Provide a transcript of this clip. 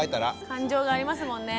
感情がありますもんね。